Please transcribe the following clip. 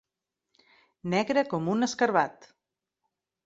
Negre com un escarabat.